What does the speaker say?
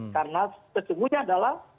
karena sesungguhnya adalah